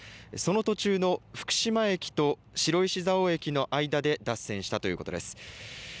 その途中の福島駅と白石蔵王駅の間で脱線したということです。